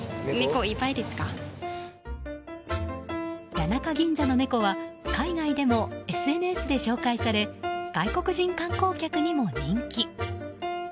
谷中ぎんざの猫は海外でもＳＮＳで紹介され外国人観光客にも人気。